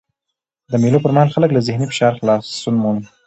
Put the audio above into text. د مېلو پر مهال خلک له ذهني فشار خلاصون مومي.